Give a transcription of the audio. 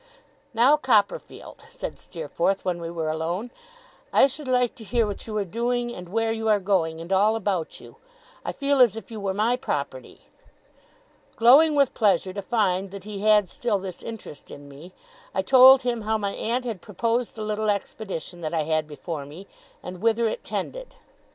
'Now, Copperfield,' said Steerforth, when we were alone, 'I should like to hear what you are doing, and where you are going, and all about you. I feel as if you were my property.' Glowing with pleasure to find that he had still this interest in me, I told him how my aunt had proposed the little expedition that I had before me, and whither it tended.